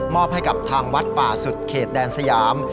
ให้กับทางวัดป่าสุดเขตแดนสยาม